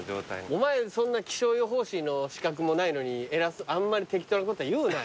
お前そんな気象予報士の資格もないのにあんまり適当なこと言うなよ。